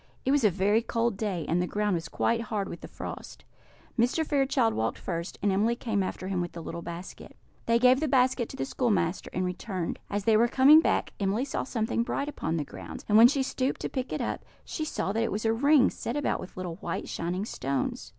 It was a very cold day, and the ground was quite hard with the frost. Mr. Fairchild walked first, and Emily came after him with the little basket. They gave the basket to the schoolmaster, and returned. As they were coming back, Emily saw something bright upon the ground; and when she stooped to pick it up, she saw that it was a ring set round with little white shining stones.